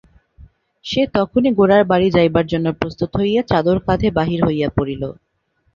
সে তখনই গোরার বাড়ি যাইবার জন্য প্রস্তুত হইয়া চাদর কাঁধে বাহির হইয়া পড়িল।